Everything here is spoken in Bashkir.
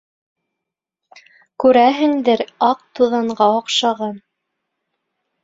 — Күрәһеңдер, аҡ туҙанға оҡшаған?